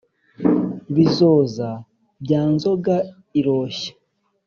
bizoza bya nzoga iroshya